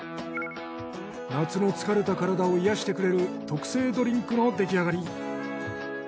夏の疲れた体を癒やしてくれる特製ドリンクの出来上がり。